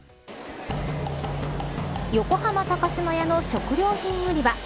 横浜高島屋の食料品売り場。